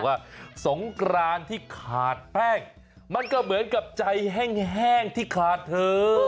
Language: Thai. สงกรานที่ขาดแป้งมันก็เหมือนกับใจแห้งที่ขาดเธอ